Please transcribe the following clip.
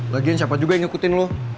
lagian siapa juga yang ngikutin loh